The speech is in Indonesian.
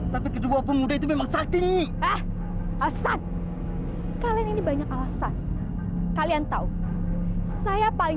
tapi kedua pemuda itu memang saking nih ah asal kalian ini banyak alasan kalian tahu saya paling